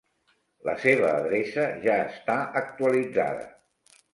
La seva adreça ja està actualitzada.